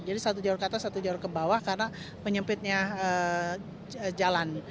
jadi satu jalur ke atas satu jalur ke bawah karena menyempitnya jalan